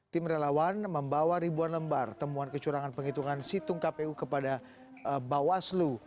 tim relawan membawa ribuan lembar temuan kecurangan penghitungan situng kpu kepada bawaslu